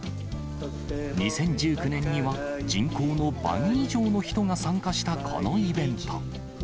２０１９年には、人口の倍以上の人が参加したこのイベント。